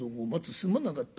「すまなかった。